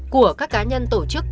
của các cá nhân tổ chức